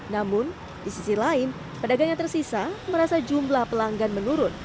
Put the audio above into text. namun di sisi lain pedagang yang tersisa merasa jumlah pelanggan menurun